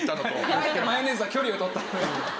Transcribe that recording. あえてマヨネーズは距離を取った。